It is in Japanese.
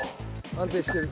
安定してる。